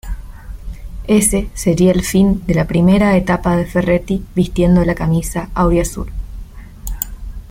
Ese sería el fin de la primera etapa de Ferretti vistiendo la camisa auriazul.